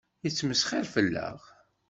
Yettmesxiṛ fell-aɣ.